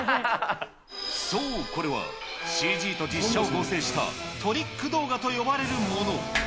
そう、これは、ＣＧと実写を合成したトリック動画と呼ばれるもの。